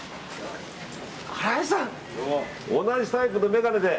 同じタイプの眼鏡で。